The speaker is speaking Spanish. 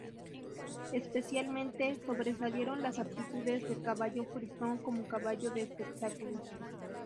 Especialmente, sobresalieron las aptitudes del caballo Frisón como caballo de espectáculo.